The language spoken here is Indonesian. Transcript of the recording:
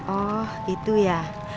oh itu ya